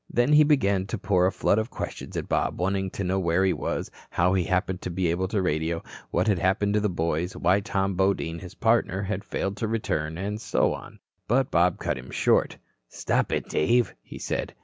Then he began to pour a flood of questions at Bob, wanting to know where he was, how he happened to be able to radio, what had happened to the boys, why Tom Bodine, his partner, had failed to return, and so on. But Bob cut him short. "Stop it, Dave," he said.